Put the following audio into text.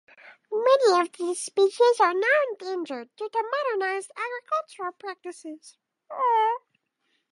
Many of these species are now endangered due to modernized agricultural practices.